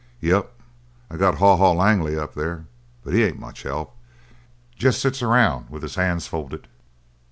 "Yep. I got Haw Haw Langley up there. But he ain't much help. Just sits around with his hands folded.